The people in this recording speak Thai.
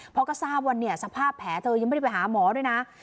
เพราะก็ทราบว่าเนี่ยสภาพแผลเธอยังไม่ได้ไปหาหมอด้วยนะ